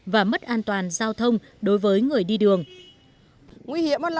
và mất an toàn giao thông đối với người đi đường